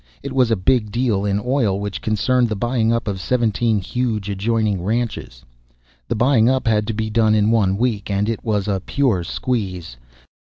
It was a big deal in oil which concerned the buying up of seventeen huge adjoining ranches. This buying up had to be done in one week, and it was a pure squeeze.